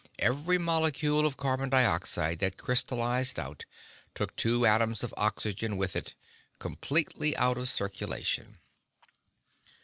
Every molecule of carbon dioxide that crystallized out took two atoms of oxygen with it, completely out of circulation.